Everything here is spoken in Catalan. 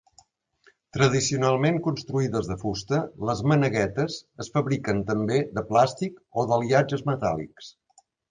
Tradicionalment construïdes de fusta, les maneguetes es fabriquen també de plàstic o d'aliatges metàl·lics.